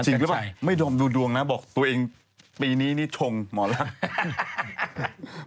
จริงหรือเปล่าไม่ดมดูดวงนะบอกตัวเองปีนี้นี่ชงหมอลักษณ์